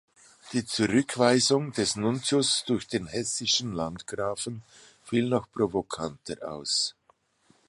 Die Zurückweisung des Nuntius durch den hessischen Landgrafen fiel noch provokanter aus.